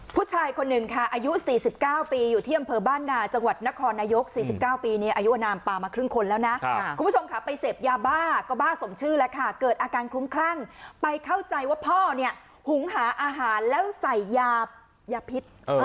ผู้ชายคนหนึ่งค่ะอายุ๔๙ปีอยู่ที่กังเผอฯบ้านนาจังหวัดนครอยก๔๙ปี